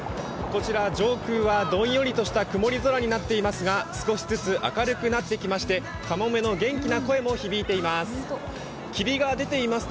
こちら、上空はどんよりとした曇り空になっていますが少しずつ明るくなってきまして、かもめの元気な声も響いています。